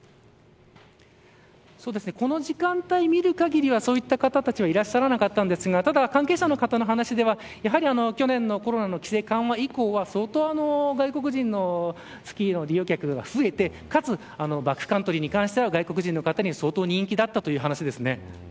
この時間帯、見るかぎりはそういった方たちはいらっしゃらなかったんですがただ関係者の方の話ではやはり去年のコロナの規制緩和以降は相当、外国人のスキーの利用客が増えてかつバックカントリーに関しては外国人の方には相当人気だったという話です。